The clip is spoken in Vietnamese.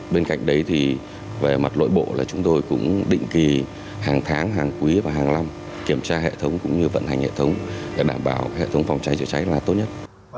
bên cạnh đấy thì về mặt nội bộ là chúng tôi cũng định kỳ hàng tháng hàng quý và hàng năm kiểm tra hệ thống cũng như vận hành hệ thống để đảm bảo hệ thống phòng cháy chữa cháy là tốt nhất